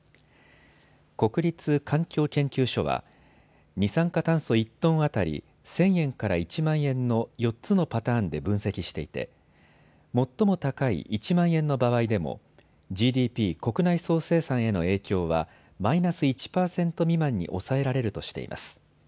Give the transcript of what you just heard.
国立環境研究所は二酸化炭素１トン当たり、１０００円から１万円の４つのパターンで分析していて最も高い１万円の場合でもＧＤＰ・国内総生産への影響はマイナス１％未満に抑えられるとしています。